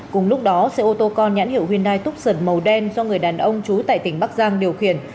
cùng lúc đó xe ô tô con nhãn hiệu hyundai túc sưởng màu đen do người đàn ông trú tại tỉnh bắc giang điều khiển